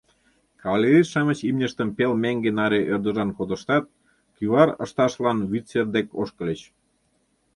Кавалерист-шамыч имньыштым пел меҥге наре ӧрдыжан кодыштат, кӱвар ышташлан вӱд сер дек ошкыльыч.